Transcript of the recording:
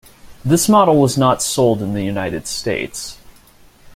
This model was not sold in the United States.